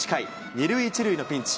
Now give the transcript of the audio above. ２塁１塁のピンチ。